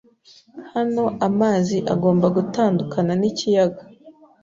Hano amazi agomba gutandukana n'ikiyaga